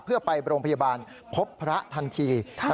เพื่อไปโรงพยาบาลพบพระทันที